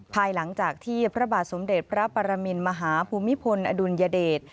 ภายหลังจากที่พระบาทสมเด็จพระปรมินมหาภูมิพลอดุลยเดช